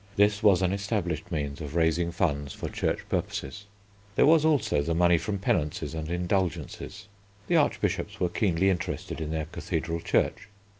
This was an established means of raising funds for church purposes. There was, also, the money from penances and indulgences. The Archbishops were keenly interested in their cathedral church.